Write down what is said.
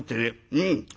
うん